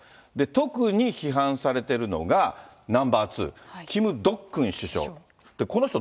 特に批判されているのが、ナンバー２、キム・ドックン首相。